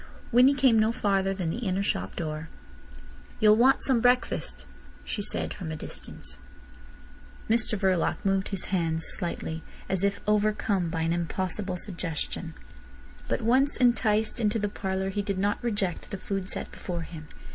Winnie came no farther than the inner shop door. "You'll want some breakfast," she said from a distance. Mr Verloc moved his hands slightly, as if overcome by an impossible suggestion. But once enticed into the parlour he did not reject the food set before him.